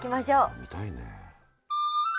見たいね。